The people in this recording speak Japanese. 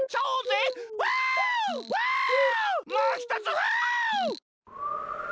もうひとつフウ！